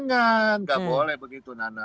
tidak boleh begitu nana